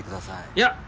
いや！